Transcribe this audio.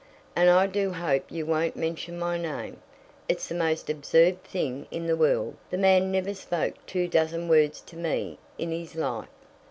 "And I do hope you won't mention my name. It's the most absurd thing in the world. The man never spoke two dozen words to me in his life."